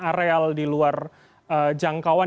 areal di luar jangkauan